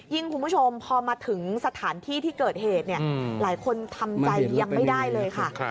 คุณผู้ชมพอมาถึงสถานที่ที่เกิดเหตุหลายคนทำใจยังไม่ได้เลยค่ะ